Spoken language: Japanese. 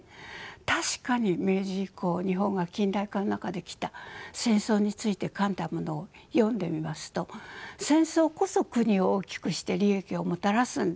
確かに明治以降日本が近代化の中できた戦争について書いたものを読んでみますと戦争こそ国を大きくして利益をもたらすんだ。